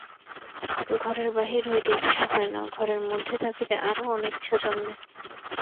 ঘরের বাহির হইতে ইচ্ছা হয় না, ঘরের মধ্যে থাকিতে আরো অনিচ্ছা জন্মে।